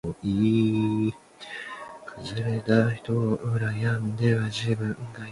不如纹上条形码，到时候付钱还方便